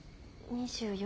２４。